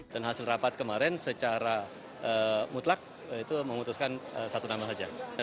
dan hasil rapat kemarin secara mutlak itu memutuskan satu nama saja